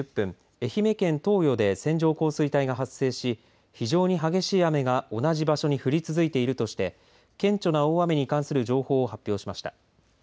愛媛県東予で線状降水帯が発生し非常に激しい雨が同じ場所に降り続いているとして顕著な大雨に関する情報を発表しました。